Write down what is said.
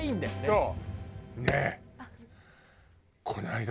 そう！